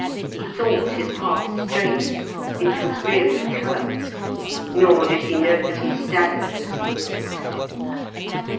He thought his path straight, it was really curved; nor did he know that he staggered as he walked.